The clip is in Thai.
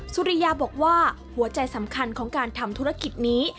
สุริยาบอกว่าหัวใจสำคัญของการทำธุรกิจนี้